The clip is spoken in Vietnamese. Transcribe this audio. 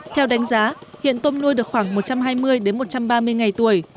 theo đánh giá hiện tôm nuôi được khoảng một trăm hai mươi một trăm ba mươi ngày tuổi